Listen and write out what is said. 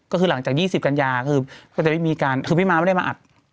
ก็คือหลังจาก๒๐กันยาคือพี่ม้าไม่ได้มาอัด